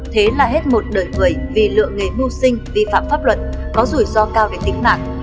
thế là hết một đời người vì lựa nghề mưu sinh vi phạm pháp luật có rủi ro cao về tính mạng